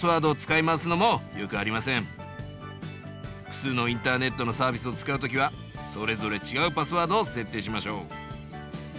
複数のインターネットのサービスを使う時はそれぞれちがうパスワードを設定しましょう。